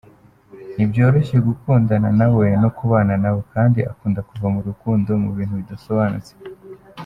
Ntibyoroshye gukundana nawe no kubana nawe kandi akunda kuva mu rukundo mu bintu bidasobanutse.